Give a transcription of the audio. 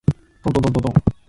とんとんとんとん